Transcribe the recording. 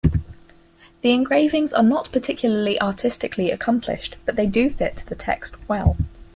The engravings are not particularly artistically accomplished, but they do fit the text well.